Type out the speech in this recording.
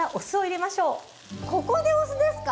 ここでお酢ですか？